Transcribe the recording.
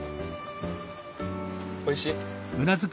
おいしい？